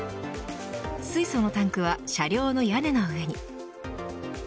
水素のタンクは車両の屋根の上に。